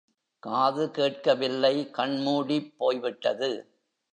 காது கேட்கவில்லை கண்மூடிப் போய்விட்டது.